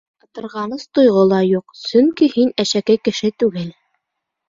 Ытырғаныс тойғо ла юҡ, сөнки һин әшәке кеше түгел.